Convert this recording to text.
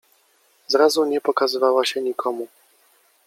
Zrazu nie pokazywała się nikomu.